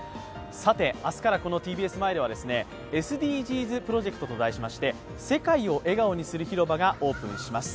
さて、明日からこのＴＢＳ前ではＳＤＧｓプロジェクトと題しまして、世界を笑顔にする広場を開催します。